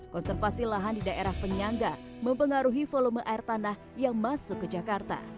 konservasi lahan di daerah penyangga mempengaruhi volume air tanah yang masuk ke jakarta